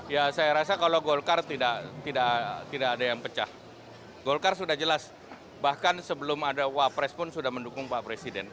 ya saya rasa kalau golkar tidak ada yang pecah golkar sudah jelas bahkan sebelum ada wapres pun sudah mendukung pak presiden